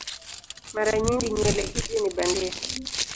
Mara nyingi nywele hizi ni bandia.